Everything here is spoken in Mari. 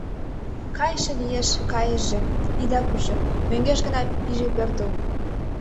Кайыше лиеш — кайыже, ида кучо, мӧҥгеш гына пиже пӧртыл.